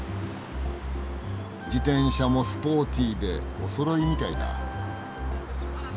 自転車もスポーティーでおそろいみたいだ。